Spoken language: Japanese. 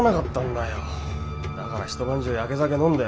だから一晩中やけ酒飲んで。